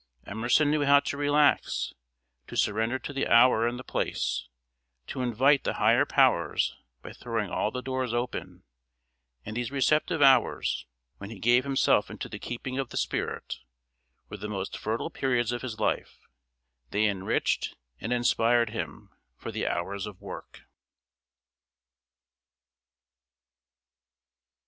Emerson knew how to relax, to surrender to the hour and the place, to invite the higher powers by throwing all the doors open; and these receptive hours, when he gave himself into the keeping of the spirit, were the most fertile periods of his life; they enriched and inspired him for the hours of work.